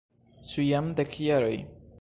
Ĉu jam dek jaroj?